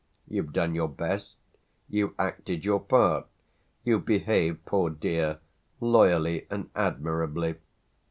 You've done your best, you've acted your part, you've behaved, poor dear! loyally and admirably.